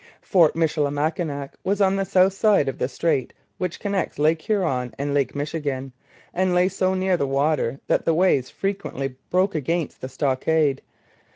Fort Michilimackinac was on the south side of the strait which connects Lake Huron and Lake Michigan, and lay so near the water that the waves frequently broke against the stockade.